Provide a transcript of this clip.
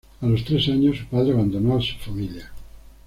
A los tres años, su padre abandonó a su familia.